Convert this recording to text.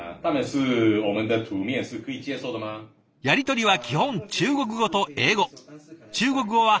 やり取りは基本中国語と英語。